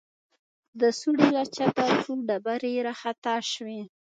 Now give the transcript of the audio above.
د سوړې له چته څو ډبرې راخطا سوې.